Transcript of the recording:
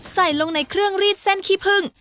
ใส่ลงในเครื่องรีดเส้นขี้พึ่ง